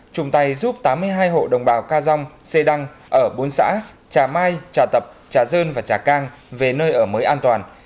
chung tay giúp tám mươi hai hộ đồng bào ca dông xê đăng ở bốn xã trà mai trà tập trà dơn và trà cang về nơi ở mới an toàn